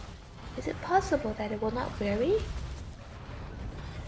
Is it possible that it will not weary?